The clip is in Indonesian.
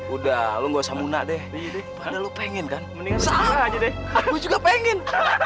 udah lu nggak usah muna deh pada lu pengen kan mending aja deh juga pengen